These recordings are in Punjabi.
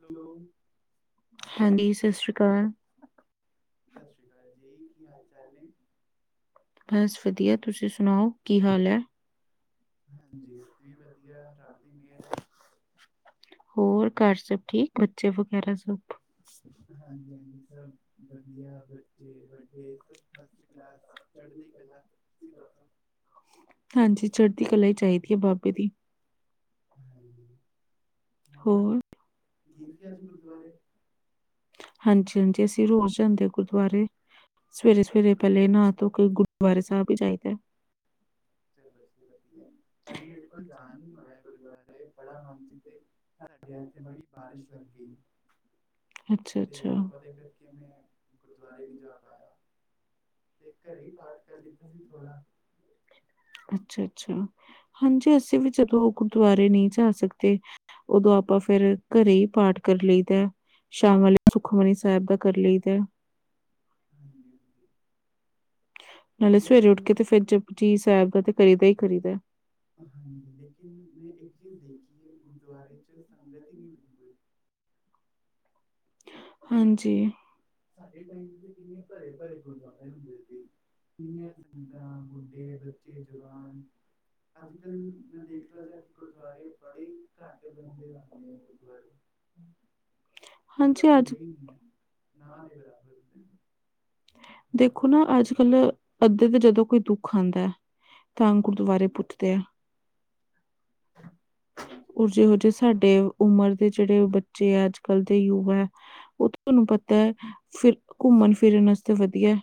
ਹੈਲੋ ਹਾਂਜੀ, ਸਤਿ ਸ੍ਰੀ ਅਕਾਲ। ਸਤਿ ਸ੍ਰੀ ਅਕਾਲ ਜੀ, ਕੀ ਹਾਲ ਚਾਲ ਨੇ? ਬਸ, ਵਧੀਆ। ਤੁਸੀਂ ਸੁਣਾਓ, ਕੀ ਹਾਲ ਹੈ? ਹਾਂਜੀ, ਅਸੀ ਵੀ ਵਧੀਆ, ਰੱਬ ਦੀ ਮੇਹਰ ਹੈ। ਹੋਰ, ਘਰ ਸਭ ਠੀਕ, ਬੱਚੇ ਵਗੈਰਾ ਸਭ? [unintelligible] ਹਾਂਜੀ-ਹਾਂਜੀ, ਸਭ ਵਧੀਆ। ਬੱਚੇ-ਵੱਡੇ, ਸਥ ਫਸਟ ਕਲਾਸ। ਚੜ੍ਹਦੀ ਕਲਾ, ਤੁਸੀਂ ਦੱਸੋ? ਹਾਂਜੀ, ਚੜ੍ਹਦੀ ਕਲਾ ਹੀ ਚਾਹੀਦੀ ਹੈ, ਬਾਬੇ ਦੀ। ਹਾਂਜੀ, ਹੋਰ, ਗੇ ਸੀ ਅੱਜ, ਗੁਰਦਵਾਰੇ? ਹਾਂਜੀ, ਹਾਂਜੀ। ਅਸੀਂ ਰੋਜ ਜਾਂਦੇ ਹਾਂ ਗੁਰਦੁਆਰੇ। ਸਵੇਰੇ -ਸਵੇਰੇ ਪਹਿਲੇ ਨਾਹ ਧੋ ਕੇ ਗੁਰਦੁਆਰੇ ਸਾਹਿਬ ਹੀ ਜਾਈਦੈ। [inaudible] ਚਲੋ ਜੀ, ਵਧੀਐ। ਅੱਜ ਮੇਰੇ ਕੋਲ ਜਾਨ ਨੀ ਹੋਇਆ ਗੁਰਦੁਆਰੇ, ਬੜਾ ਮਨ ਸੀ ਤੇ ਸਾਡੇ ਐਥੇ ਬੜੀ ਬਾਰਿਸ਼ ਲੱਗ ਗਈ। ਹੈ। ਅੱਛਾ ਅੱਛਾ, ਤੇ, ਉਹਦੇ ਕਰਕੇ ਮੈਂ ਗੁਰਦੁਆਰੇ ਨਹੀਂ ਜਾ ਪਾਇਆ ਤੇ ਘਰੇ ਹੀ ਪਾਠ ਕਰ ਲਿੱਤਾ ਸੀ, ਥੋੜ੍ਹਾ। ਅੱਛਾ-ਅੱਛਾ। ਹਾਂਜੀ, ਅਸੀਂ ਵੀ ਜਦੋਂ ਗੁਰਦੁਆਰੇ ਨਹੀਂ ਜਾ ਸਕਦੇ ਓਦੋਂ ਆਪਾਂ ਫੇਰ ਘਰੇ ਹੀ ਪਾਠ ਕਰ ਲਈ ਦੈ ਸ਼ਾਮ ਵੇਲੇ ਸੁਖਮਨੀ ਸਾਹਿਬ ਦਾ ਕਰ ਲਈ ਦੈ ਹਾਂਜੀ -ਹਾਂਜੀ। ਨਾਲੇ, ਸਵੇਰੇ ਉੱਠ ਲੇਕਿਨ ਕੇ ਤੇ ਫਿਰ ਜਪਜੀ ਸਾਹਿਬ ਦਾ ਤੇ ਕਰੀ ਦਾ ਹੀ ਕਰੀਦਾ, ਹਾਂਜੀ, ਲੇਕਿਨ ਮੈਂ ਇੱਕ ਚੀਜ਼ ਦੇਖੀ ਹੈ- ਗੁਰਦੁਆਰੇ 'ਚ ਸੰਗਤ ਹੀ ਨਹੀਂ ਬਿਲਕੁਲ ਮਤਲਬ ਹਾਂਜੀ, ਸਾਡੇ ਟਾਈਮ ਤੇ ਕਿੰਨੇ ਭਰੇ ਭਰੇ ਗੁਰਦੁਆਰੇ ਹੁੰਦੇ ਸੀ। ਕਿੰਨੀਆਂ ਸੰਗਤਾਂ- ਬੁੱਢੇ, ਬੱਚੇ, ਜਵਾਨ ਅੱਜ-ਕੱਲ੍ਹ, ਮੈਂ ਦੇਖਨਾ ਜਾ ਕੇ ਗੁਰਦੁਆਰੇ, ਬੜੇ ਘੱਟ ਬੰਦੇ ਆਉਂਦੇ ਹੈ, ਗੁਰਦੁਆਰੇ। ਹਾਂਜੀ ਮਤਲਬ ਅੱਜ ਹੁੰਦੇ ਹੀ ਨਹੀਂ ਹੈ, ਨਾ ਦੇ ਬਰਾਬਰ ਹੁੰਦੇ ਨੇ। ਦੇਖੋ ਨਾ, ਅੱਜਕੱਲ ਅੱਧੇ ਤੇ ਜਦੋਂ ਕੋਈ ਦੁੱਖ ਆਦੈ ਤਾਂ ਗੁਰਦੁਆਰੇ ਪੁੱਜਦੇ ਹੈ। [unintelligible] ਉਹਰ ਜਿਹੋ ਜਿਹੇ ਸਾਡੇ ਉਮਰ ਦੇ ਜਿਹੜੇ ਬੱਚੇ ਆ ਅੱਜ ਕੱਲ੍ਹ ਤੇ ਯੂਵਾ ਹੈ ਉਹ ਤੁਹਾਨੂੰ ਪਤੈ ਫਿਰ ਘੁੰਮਨ ਫਿਰਨ ਵਾਸਤੇ ਵਧੀਐ।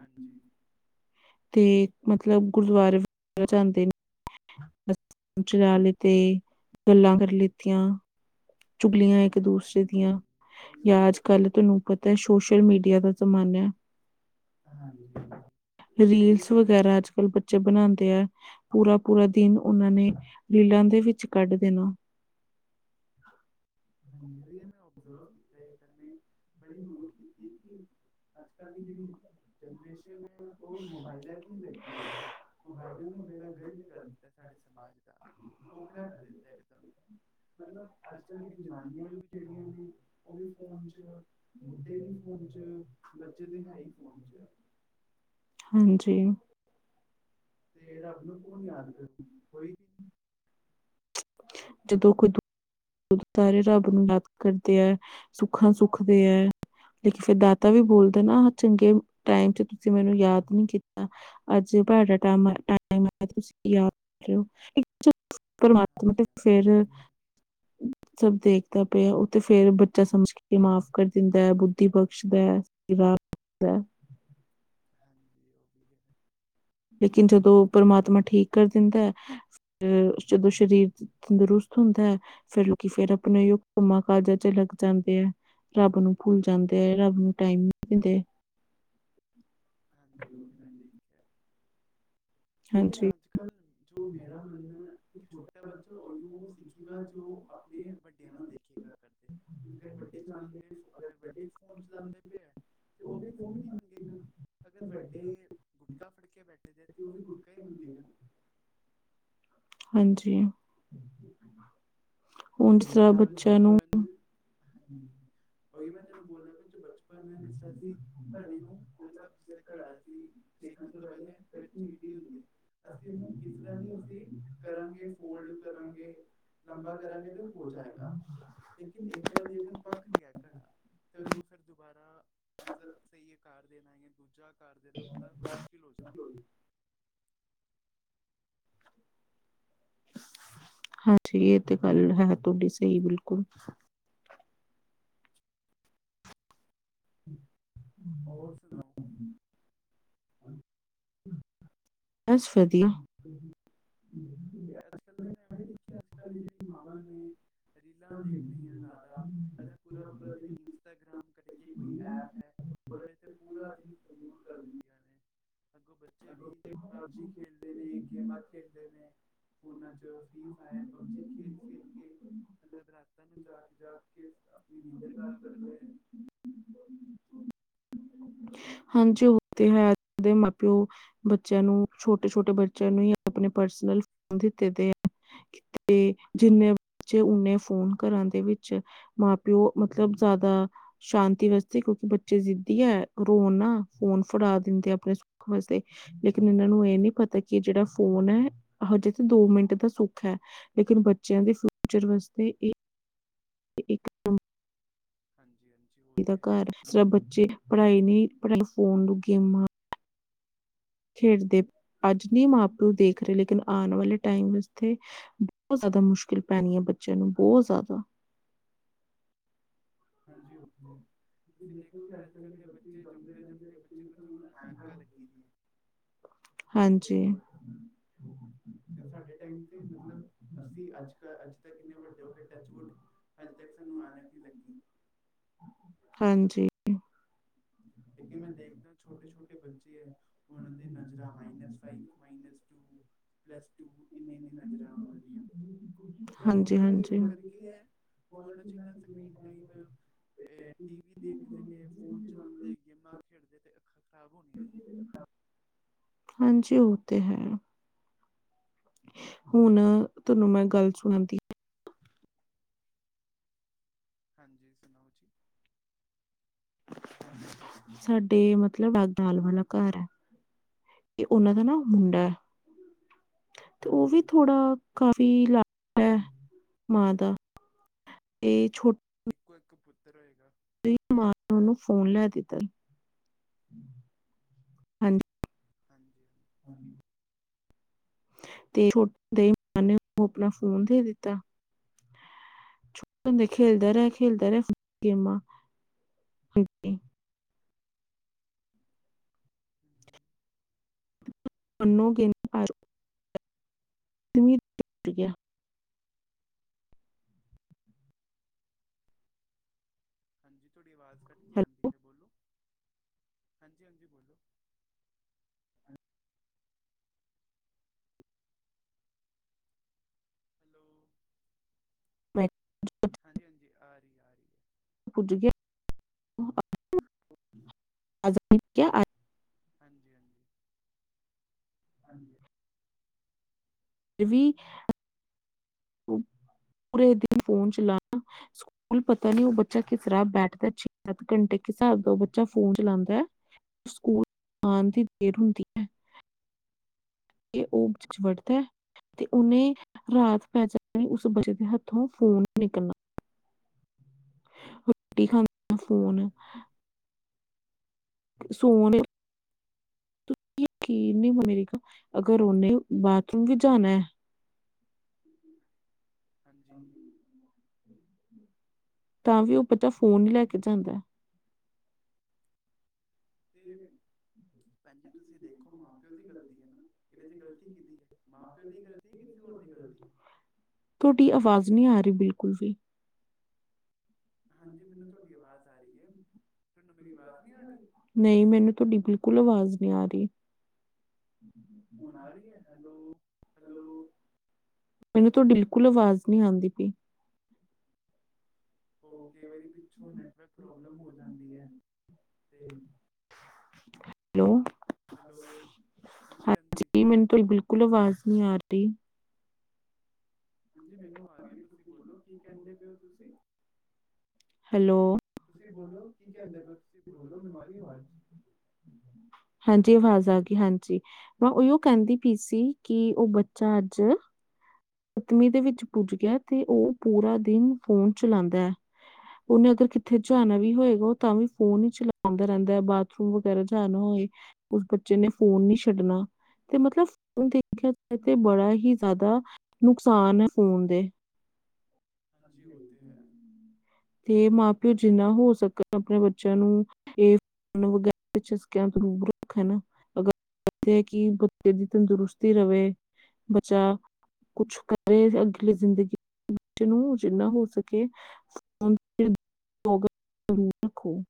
ਹਾਂਜੀ। ਤੇ ਮਤਲਬ ਗੁਰਦੁਆਰੇ ਬੜਾ ਜਾਂਦੇ ਨੇ ਚਲਾ ਲੀ ਤੇ ਗੱਲਾਂ ਕਰ ਲਿੱਤੀਆਂ। ਚੁਗਲੀਆਂ, ਇੱਕ ਉਹੀਓ ਦੂਸਰੇ ਹਾਂਜੀ ਦੀਆਂ ਉਹੀਓ ਮੈਂ ਯਾ ਅੱਜ ਸੋਚਦਾ ਕੱਲ ਤੁਹਾਨੂੰ ਪਤੈ, ਸੋਸ਼ਲ ਮੀਡੀਆ ਦਾ ਜ਼ਮਾਨੈ। ਹਾਂਜੀ ਹਾਂਜੀ ਉਹੀਓ ਰੀਲਸ ਮੈਂ ਦੇਖ ਵਗੈਰਾ ਅੱਜ ਕੱਲ ਬੱਚੇ ਬਣਾਂਦੇ ਐ, ਪੂਰਾ ਪੂਰਾ ਦਿਨ ਉਹਨਾਂ ਨੇ ਰੀਲਾਂ ਦੇ ਵਿੱਚ ਕੱਢ ਦੇਣਾ। ਹਾਂਜੀ, ਵੀਐ, ਮੈਂ ਔਬਜ਼ਰਵ ਕੀਤਾ ਇਹ ਗੱਲ ਮੈਂ, ਬੜੀ ਨੋਟ ਕੀਤੀ ਹੈ ਕਿ ਅੱਜ ਕੱਲ੍ਹ ਦੀ ਜਿਹੜੀ ਜਨਰੇਸ਼ਨ ਹੈ, ਉਹ ਮੋਬਾਈਲਾਂ ਤੇ ਲੱਗੀ ਰਹੀ ਹੈ। ਮੋਬਾਈਲਾਂ ਨੇ ਬੇੜਾ ਗਰਕ ਕਰ ਦਿੱਤਾ, ਸਾਡੇ ਸਮਾਜ ਦਾ। ਖੋਖਲਾ ਕਰ ਦਿੱਤੈ ਇਕਦਮ, ਮਤਲਬ ਅੱਜ ਕੱਲ ਦੀਆਂ ਜਨਾਨੀਆਂ ਵੀ ਜਿਹੜੀਆਂ ਨੇ, ਉਹ ਵੀ ਫੋਨ 'ਚ ਬੁੱਢੇ ਵੀ ਫੋਨ 'ਚ ਬੱਚੇ ਤੇ, ਹੈ ਹੀ ਫੋਨ ਚ ਹੈ। ਹਾਂਜੀ। ਤੇ ਰੱਬ ਨੂੰ ਕੌਣ ਯਾਦ ਕਰੂ, ਕੋਈ ਵੀ ਨਹੀਂ। ਜਦੋਂ ਖੁਦ [unintelligible] ਸਾਰੇ ਰੱਬ ਨੂੰ ਯਾਦ ਕਰਦੇ ਹੈ, ਸੁੱਖਾ ਸੁੱਖਦੇ ਹੈ। ਲੇਕਿਨ, ਫਿਰ ਦਾਤਾ ਵੀ ਬੋਲਦੇ ਨਾ ਚੰਗੇ ਟਾਈਮ ਚ ਤੁਸੀਂ ਮੈਨੂੰ ਯਾਦ ਨਹੀਂ ਕੀਤਾ। ਅੱਜ ਤੁਹਾਡਾ ਟੈਮ, ਟੈਮ ਤੁਸੀਂ ਯਾਦ ਨੀ ਕਰਦੇ। ਪਰਮਾਤਮਾ ਤੇ ਹਾਂਜੀ ਫਿਰ ਹਾਂਜੀ ਉਹ ਵੀ ਹੈ ਸਭ ਦੇਖਦਾ ਪਿਆ ਉਹ ਤੇ ਫੇਰ ਬੱਚਾ ਸਮਝ ਕੇ ਮਾਫ਼ ਕਰ ਦਿੰਦਾ ਹੈ ਬੁੱਧੀ ਬਖਸ਼ਦਾ। [unintelligible] [unintelligible] ਹਾਂਜੀ, ਉਹ ਵੀ ਹੈ। ਲੇਕਿਨ, ਜਦੋਂ ਪਰਮਾਤਮਾ ਠੀਕ ਕਰ ਦਿੰਦਾ ਹੈ ਜਦੋਂ ਸਰੀਰ ਤੰਦਰੁਸਤ ਹੁੰਦਾ ਹੈ ਫਿਰ ਲੋਕ ਫੇਰ ਆਪਣੇ ਕੰਮਾਂ, ਕਾਜਾਂ ਚ ਲੱਗ ਜਾਂਦੇ ਹੈ। ਰੱਬ ਨੂੰ ਭੁੱਲ ਜਾਂਦੇ ਹੈ, ਰੱਬ ਨੂੰ ਟਾਈਮ ਦਿੰਦੇ। ਹਾਂਜੀ, ਉਹ ਵੀ ਮੈਂ ਦੇਖਿਆ। ਲੇਕਿਨ, ਹਾਂਜੀ ਆੱਜ ਕੱਲ ਜੋ ਮੇਰਾ ਮੰਨਨਾ ਕਿ ਛੋਟਾ ਬੱਚਾ ਔਯ ਸਿੱਖੇਗਾ ਜੋ ਆਪਣੇ ਵੱਡਿਆਂ ਨੂੰ ਦੇਖੇਗਾ ਕਰਦੇ ਅਗਰ ਵੱਡੇ ਚਲਾਉਂਦੇ ਫ ਅਗਰ, ਵੱਡੇ ਫੋਨ ਚਲਾਉਂਦੇ ਪਏ ਹੈ ਤੇ ਉਹ ਵੀ ਫੋਨ ਹੀ ਮੰਗੇਗਾ। ਅਗਰ ਵੱਡੇ, ਗੁਟਕਾ ਫੜਕੇ ਬੈਠੇ ਦੇ ਤੇ ਉਹ ਵੀ ਗੁਟਕਾ ਹੀ ਮੰਗੇਗਾ ਨਾ। ਹਾਂਜੀ, ਹੁਣ ਸਭ ਬੱਚਿਆਂ ਨੂੰ ਹਨਾ [unintelligible] ਹਾਂਜੀ, ਉਹੀ ਮੈਂ ਤੁਹਾਨੂੰ ਬੋਲਦਾ ਪਿਆ ਜੋ ਬਚਪਨ ਜਿਸ ਤਰ੍ਹਾਂ ਅਸੀਂ ਘੜੇ ਨੂੰ ਮਤਲਬ ਸਲਿਕਰ ਆ ਸੀ ਸੇਕਣ ਤੋਂ ਪਹਿਲੇ ਕੱਚੀ ਮਿੱਟੀ ਹੁੰਦੀ ਹੈ। ਅਸੀਂ ਇਹਨੂੰ ਕਿਸ ਤਰ੍ਹਾਂ ਵੀ ਅਸੀਂ ਕਰਾਂਗੇ ਫੋਲਡ ਕਰਾਂਗੇ, ਲੰਬਾ ਕਰਾਂਗੇ ਤੇ ਹੋ ਜਾਏਗਾ ਲੇਕਿਨ ਇੱਕ ਵਾਰੀ ਅਗਰ ਪੱਕ ਗਿਆ ਘੜਾ ਤੇ ਉਹਨੂੰ ਫਿਰ ਦੁਬਾਰਾ ਮਤਲਬ ਸਹੀ ਅਕਾਰ ਦੇਣਾ ਜਾਂ ਦੂਜਾ ਆਕਾਰ ਦੇਣਾ ਬੜਾ ਮੁਸ਼ਕਿਲ ਹੋ ਜਾਂਦਾ। ਹਾਂਜੀ, ਇਹ ਤੇ ਗੱਲ ਹੈ ਤੁਹਾਡੀ ਸਹੀ ਬਿਲਕੁਲ। ਹਮ [inaudible] ਹੋਰ ਸੁਣਾਓ? ਬਸ ਵਧੀਆ। ਹਮ [inaudible] [inaudible] ਤੇ ਅੱਜ ਕੱਲ ਨੇ ਮੈਂ ਇਹ ਵੀ ਦੇਖਿਆ ਅੱਜ ਕੱਲ ਜਿਹੜੀ ਮਾਵਾਂ ਨੇ ਰੀਲਾਂ ਦੇਖਦੀਆਂ ਜ਼ਿਆਦਾ ਕ ਪੂਰਾ, ਪੂਰਾ ਦਿਨ ਇੰਸਟਾਗ੍ਰਾਮ ਕਰਕੇ ਕੋਈ ਐਪ ਹੈ ਉਹਦੇ ਤੇ ਪੂਰਾ ਦਿਨ ਦੂੂਰ ਕਰ ਦਿੰਦੀਆਂ ਨੇ ਅੱਗੋਂ ਬੱਚੇ ਵੀ ਪਬਜੀ ਖੇਲਦੇ ਨੇ ਗੇਮਾਂ ਖੇਡਦੇ ਨੇ ਫੋਨਾਂ ਚ, ਫ੍ਰਰੀ ਫਾਇਰ ਪਬਜੀ ਖੇਲ ਖੇਲ ਕੇ ਮਤਲਬ ਰਾ ਤਾ ਨੂੰ ਜਾਗ ਜਾਗ ਕੇ ਆਪਣੀ ਨੀਂਦਰ ਖ਼ਰਾਬ ਕਰਦੇ ਹੈ। ਹਾਂਜੀ, ਉਹ ਤੇ ਹੈ ਦੇ ਮਾਂ ਪਿਓ ਬੱਚਿਆਂ ਨੂੰ ਛੋਟੇ, ਛੋਟੇ ਬੱਚਿਆਂ ਨੂੰ ਹੀ ਆਪਣੇ ਪਰਸਨਲ ਫੋਨ ਦਿੱਤੇ ਤੇ ਆ। ਤੇ ਜਿੰਨੇ ਬੱਚੇ ਓਨੇ ਫੋਨ ਘਰਾਂ ਦੇ ਵਿੱਚ। ਮਾਂ, ਪਿਓ ਮਤਲਬ ਜ਼ਿਆਦਾ ਸ਼ਾਂਤੀ ਵਾਸਤੇ ਕਿਉਂਕਿ ਬੱਚੇ ਜਿੱਦੀ ਹੈ ਗ ਫੋਨ ਨਾ ਫੋਨ ਫੜਾ ਦਿੰਦੇ ਆਪਣੇ ਸੁੱਖ ਵਾਸਤੇ। ਲੇਕਿਨ, ਇਹਨਾਂ ਨੂੰ ਇਹ ਨੀ ਪਤਾ ਕਿ ਜਿਹੜਾ ਫੋਨ ਹੈ ਹਜੇ ਤੇ ਦੋ ਮਿੰਟ ਦਾ ਸੁੱਖ ਹੈ। ਲੇਕਿਨ ਬੱਚਿਆਂ ਦੇ ਫਿਊਚਰ ਵਾਸਤੇ ਇਹ ਇੱਕ [unintelligible] ਹਾਂਜੀ, ਹਾਂਜੀ। ਦਾ ਹੋਤੇ ਹੈ ਘਰ ਸਿਰਫ ਬੱਚੇ ਪੜ੍ਹਾਈ ਨਹੀਂ ਪੜਾਈ, ਫੋਨ ਨੂੰ ਗੇਮਾਂ ਖੇਡਦੇ, ਅੱਜ ਨੀ ਮਾਂ ਪਿਓ ਦੇਖ ਰਹੇ ਲੇਕਿਨ ਆਉਣ ਵਾਲੇ ਟਾਈਮ ਵਿਚ ਤੇ ਬੋਤ ਜ਼ਿਆਦਾ ਮੁਸ਼ਕਿਲ ਪੈਣੀ ਹੈ, ਬੱਚਿਆਂ ਨੂੰ, ਬੋਤ ਜ਼ਿਆਦਾ ਹਾਂਜੀ ਓ ਤੇ ਹੈ। ਤੁਸੀਂ ਦੇਖੋਗੇ, ਅੱਜ ਕੱਲ੍ਹ ਦੇ ਬੱਚੇ ਜੰਮਦੇ- ਜੰਮਦੇ ਬੱਚੇ ਨੂੰ ਦੇਖੋ ਐਨਕਾ ਲੱਗੀ ਦੀਆ ਹਾਂਜੀ ਤੇ, ਸਾਡੇ ਟਾਈਮ ਤੇ, ਮਤਲਬ ਅਸੀਂ ਅੱਜ- ਕਲ, ਅੱਜ ਕਿੰਨੇ ਵੱਡੇ ਹੋ ਕੇ ਟੱਚਵੁੱਡ ਹਜੇ ਤੱਕ ਸਾਨੂੰ ਐਨਕ ਨੀ ਲੱਗੀ। ਹਾਂਜੀ। ਕਿ ਮੈਂ ਦੇਖਦਾ ਛੋਟੇ-ਛੋਟੇ ਬੱਚੇ ਐ। ਉਹਨਾਂ ਦੇ ਨਜ਼ਰਾਂ minus five, minus two plus two ਇੰਨੀ, ਇੰਨੀ ਨਜ਼ਰਾਂ ਉਹਨਾਂ ਦੀਆਂ ਇਹ ਸਭ ਫੋਨਾਂ ਦੇ ਹਾਂਜੀ-ਹਾਂਜੀ, ਕਰਕੇ ਹਾਂਜੀ ਕੀ ਹੈ ਫੋਨਾਂ ਚ ਇੰਨਾ ਸਕਰੀਨ ਟਾਈਮ ਟੀ ਵੀ ਦੇਖਦੇ ਨੇ, ਫੋਨ ਚਲਾਉਂਦੇ ਗੇਮਾਂ ਖੇਡਦੇ ਤੇ ਅੱਖਾਂ ਖ਼ਰਾਬ ਹੋਣੀਆਂ ਈ ਆ। ਹ ਹਾਂਜੀ ਉਹ ਤੇ ਹੈ। ਹੁਣ ਤੁਹਾਨੂੰ ਮੈਂ ਗੱਲ ਸੁਣਾਦੀ ਆ। ਹਾਂਜੀ, ਸੁਣਾਓ ਜੀ। ਸਾਡੇ ਮਤਲਬ ਦਾਲ ਵਾਲਾ ਘਰ ਹੈ ਇਹ, ਉਹਨਾਂ ਦਾ ਨਾ ਮੁੰਡਾ ਤੇ, ਉਹ ਵੀ ਹਾਂਜੀ ਥੋੜ੍ਹਾ, ਕਾਫੀ ਅਲਗ ਹੈ। ਹਾਂਜੀ ਮਾਂ ਦਾ, ਏ ਛੋਟ ਇੱਕੋ ਇੱਕ ਪੁੱਤਰ ਹੋਏਗਾ। [unintelligible] ਓਨੂੰ ਫੋਨ ਲੈ ਦਿੱਤਾ। ਹਾਂਜੀ ਹਾਂਜੀ। ਤੇ [unintelligible] ਆਪਨਾ ਫੋਨ ਦੇ ਦਿੱਤਾ। ਛੋਟੇ ਖੇਲਦਾ ਹੁੰਦੇ ਰੇਆ, ਹੀ ਖੇਲਦਾ ਰੇਆ ਫੇਰ ਗੇਮਾਂ ਹੂੰ। ਓਨੁੰ ਗੇਮ [inaudible] ਹਾਂਜੀ ਤੋਅਡੀ ਆਵਾਜ਼ ਕੱਟ ਕੇ ਹਲੇ ਆਂਦੀ ਪੀ ਬੋਲੋ, ਹਾਂਜੀ-ਹਾਂਜੀ ਬੋਲੋ। ਹਲੋ। [inaudible] ਹਾਂਜੀ-ਹਾਂਜੀ, ਆਰੀ-ਆਰੀ। [inaudible] ਹਾਂਜੀ-ਹਾਂਜੀ। ਹਾਂਜੀ। ਫਿਰ ਵੀ [unintelligible] ਪੂਰੇ ਦਿਨ ਫੋਨ ਚਲਾਨਾ। ਸਕੂਲ ਪਤਾ ਨੀ ਓ ਬੱਚਾ ਕਿਸ ਤਰਾਂ ਬੈਠਦਾ ਛੇ, ਸਾੱਤ ਘੰਟੇ ਸਾਬ ਦਾ ਬੱਚਾ ਫੋਨ ਚਲਾਂਦਾ ਐ। ਸਕੂਲ ਜਾਨ ਦੀ ਦੇਰ ਹੁੰਦੀ ਐ। ਏ ਓ ਕੁੱਛ ਵੜ ਦੈ। ਤੇ ਓਨੇ ਰਾਤ ਪੈ ਜਾਨੀ ਉਸ ਬੱਚੇ ਦੇ ਹੱਥੋਂ ਫੋਨ ਨਿਕਲਨਾ। ਰੋਟੀ ਖਾਂਦੇ [unintelligible] ਹਾਂਜੀ ਫੋਨ। ਹਾਂਜੀ [inaudible] ਤੁਸੀ ਯਕੀਨ ਨੀ [unintelligible] ਅਗਰ ਓਨੇ ਬਾਥਰੂਮ ਵੀ ਜਾਨਾ ਹਾਂਜੀ। ਤਾਂ ਵੀ ਓਹ ਬੱਚਾ ਫੋਨ ਹੀ ਲੈ ਕੇ ਜਾਂਦੈ। ਤੇ ਭੈਣ ਜੀ ਤੁਸੀਂ ਦੇਖ। ਦੇਖੋ ਮਾਂ-ਪਿਓ ਦੀ ਗਲਤੀ ਹੈ ਨਾ, ਇਦੇ ਚ ਗ਼ਲਤੀ ਕਿਦੀ ਹੈ? ਮਾਂ-ਪਿਓ ਦੀ ਗ਼ਲਤੀ ਐ ਕਿਸੇ ਹੋਰ ਦੀ ਗਲਤੀ ਐ। ਤੁਹਾਡੀ ਆਵਾਜ਼ ਨਹੀ ਆ ਰਹੀ ਬਿਲਕੁਲ ਵੀ। ਹਾਂਜੀ, ਮੈਨੂੰ ਤੁਹਾਡੀ ਆਵਾਜ਼ ਆ ਰਹੀ ਹੈ। ਤੁਹਾਨੂੰ ਮੇਰੀ ਆਵਾਜ਼ ਨਹੀਂ ਆ ਰਹੀ ਨਹੀਂ, ਮੈਨੂੰ ਤੁਹਾਡੀ ਬਿਲਕੁਲ ਆਵਾਜ਼ ਨਹੀ ਆ ਰਹੀ। ਹੁਣ, ਆ ਰਹੀ ਹੈ? ਹੈਲੋ। ਮੈਨੂੰ ਤੇ ਬਿਲਕੁਲ ਆਵਾਜ਼ ਨੀ ਆੰਦੀ ਪੀ। ਓਕੇ ਮੇਰੀ ਪਿੱਛੋਂ ਨੈਟਵਰਕ ਪ੍ਰੋਬਲਮ ਹੋ ਜਾਂਦੀ ਐ। ਤੇ ਹੈਲੋ ਹੈਲੋ, ਹਾਂਜੀ ਹਾਂਜੀ। ਮੈਨੂੰ ਤੁਹਾਡੀ ਬਿਲਕੁਲ। ਕੋਲੋ ਵਾਜ਼ ਨੀ ਆਰਦੀ। ਹਾਂਜੀ ਮੇਨੂੰ ਆਰੀ ਏ ਤੁਸੀ ਬੋਲੋ ਕੀ ਕੈਂਦੇ ਪੇ ਓ ਤੁਸੀ ਹੈਲੋ, ਤੁਸੀ ਬੋਲੋ ਕੀ ਕੈਂਦੇ ਪੇਓ ਤੁਸੀ ਬੋਲੋ ਮੈਨੂੰ ਆਰੀ ਏ ਵਾਜ। ਹਾਂਜੀ ਆਵਾਜ਼ ਆਗੀ ਹਾਂਜੀ। ਮੈਂ ਓਈਓ ਕੈਂਦੀ ਪਈ ਸੀ ਕਿ ਓ ਬੱਚਾ ਆੱਜ ਤਮੀ ਦੇ ਵਿੱਚ ਪੁੱਜ ਗਿਐ ਤੇ ਓ ਪੂਰਾ ਦਿਨ ਫੋਨ ਚਲਾਂਦੈ। ਓਨੇ ਅਗਰ ਕਿੱਥੇ ਜਾਨਾ ਵੀ ਹੋਏਗਾ ਓ ਤਾ ਵੀ ਫੋਨ ਈ ਚਲੋਂਦਾ ਰੈਂਦਾ ਬਾਥਰੂਮ ਵਗੈਰਾ ਜਾਨਾ ਹੋਏ। ਉਸ ਬੱਚੇ ਨੇ ਫੋਨ ਨੀ ਛੱਡਨਾ। ਤੇ ਮਤਲਬ ਹੁੰ ਦੇਖਿਆ ਏ ਤੇ ਬੜਾ ਹੀ ਜ਼ਾਦਾ ਨੁਕਸਾਨ ਐ ਫੋਨ ਦੇ। ਹਾਂਜੀ ਓ ਤੇ ਹੈ। ਤੇ ਮਾਂ-ਪਓ ਜਿੰਨਾ ਹੋ ਸਕਨ ਆਪਨੇ ਬੱਚੇਆਂ ਨੂੰ ਏ [unintelligible] ਏਥੇ ਕਿ ਬੱਚੇ ਦੀ ਤੰਦਰੁਸਤੀ ਰਵੇ ਬੱਚਾ ਕੁਛ ਕਰੇ ਅਗਲੀ ਜ਼ਿੰਦਗੀ ਨੂੰ, ਜਿੰਨਾ ਹੋ ਸਕੇ। [unintelligible] ਰੱਖੋ।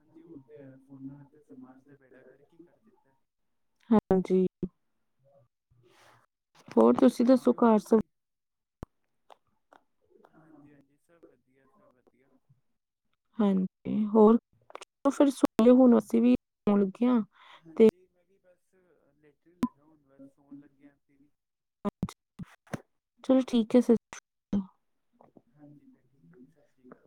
ਹਾਂਜੀ, ਓਹ ਤੇ ਹੈ ਫੋਨਾਂ ਨੇ ਸਮਾਜ ਦਾ ਬੇੜਾ ਗਰਕ ਈ ਕਰ ਦਿੱਤਾ। ਹਾਂਜੀ, ਹੋਰ ਬਟ ਤੁਸੀਂ ਦੱਸੋ ਮਾਪਿਓ ਦੀ ਘਰ ਵੀ ਸਬ? ਅ ਹਾਂਜੀ ਹਾਂਜੀ, ਸਭ ਵਧੀਆ ਸਭ ਵਧੀਆ। ਹਾਂਜੀ, ਹੋਰ ਫਿਰ ਸੁਣ ਲਿਆ ਹੁਣ ਅਸੀਂ ਵੀ ਹੋਣਗੀਆਂ। ਹਾਂਜੀ, ਮੈਂ ਵੀ ਬਸ ਲੇਟਣ ਹੀ ਲੱਗਾ ਵਾ। ਹੁਣ ਬਸ ਸੋਣ ਲੱਗੇ ਆ ਅਸੀ ਵੀ। ਚਲੋ ਠੀਕ ਹੈ ਫਿਰ। ਹਾਂਜੀ, ਫੇਰ ਠੀਕ ਹੈ ਜੀ ਸਤਿ ਸ਼੍ਰੀ ਅਕਾਲ।